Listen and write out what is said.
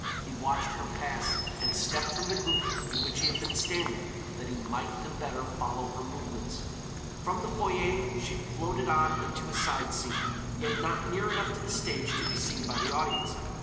He watched her pass, and stepped from the group in which he had been standing that he might the better follow her movements. From the foyer she floated on into a side scene, yet not near enough to the stage to be seen by the audience.